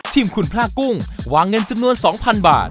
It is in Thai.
ทีมคุณพระกุ้งวางเงินจำนวน๒๐๐๐บาท